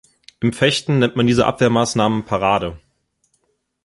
Im Fechten nennt man die Abwehrmaßnahmen Parade.